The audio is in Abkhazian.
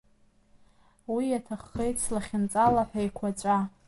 Ус иаҭаххеит слахьынҵа лаҳәа еиқуаҵәа!